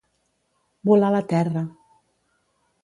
Volar la terra.